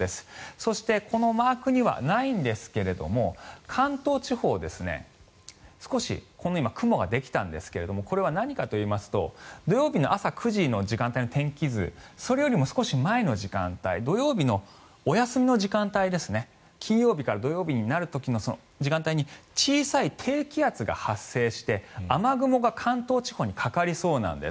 そしてこのマークにはないんですが関東地方で少し雲ができたんですがこれは何かといいますと土曜日の朝９時の時間帯の天気図それよりも少し前の時間帯土曜日のお休みの時間帯金曜日から土曜日になる時の時間帯に小さい低気圧が発生して雨雲が関東地方にかかりそうなんです。